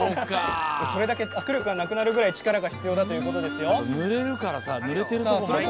それだけ握力がなくなるぐらい力が必要だということですよ。